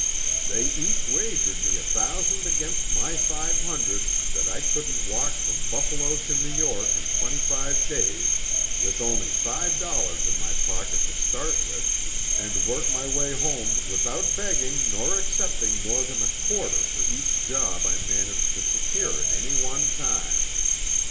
"They each wagered me a thousand against my five hundred that I couldn't walk from Buffalo to New York in twenty five days with only five dollars in my pocket to start with, and work my way home without begging nor accepting more than a quarter for each job I managed to secure in any one time.